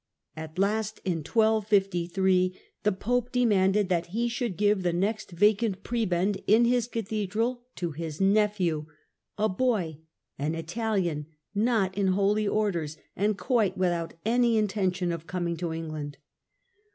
At last, in 1253, the pope demanded that he should give the next vacant prebend in his cathedral to his nephew, a boy, an Italian, not in holy orders, and quite without any intention of coming to England.